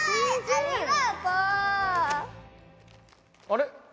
あれ？